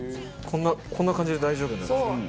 こんなこんな感じで大丈夫なんですか？